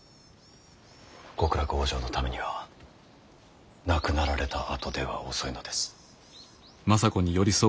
極楽往生のためには亡くなられたあとでは遅いのです。